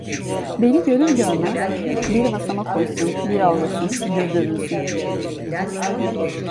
Beni görür görmez bir masama koşsun, bir ağlasın, bir dövünsün!